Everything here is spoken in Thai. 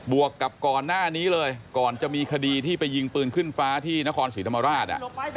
วกกับก่อนหน้านี้เลยก่อนจะมีคดีที่ไปยิงปืนขึ้นฟ้าที่นครศรีธรรมราช